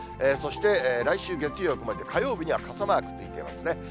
そして来週月曜曇りで、火曜日には傘マークついてますね。